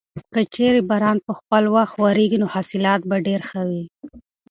که چېرې باران په خپل وخت وورېږي نو حاصلات به ډېر ښه وي.